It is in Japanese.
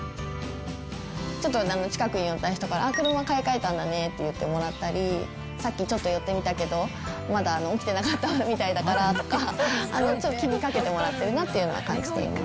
ちょっと近くに寄った人から、あっ、車、買い替えたんだねって言ってもらったり、さっきちょっと寄ってみたけど、まだ起きてなかったみたいだからとか、ちょっと気にかけてもらってるなっていうのを感じています。